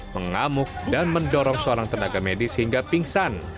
mengamuk dan mendorong seorang tenaga medis hingga pingsan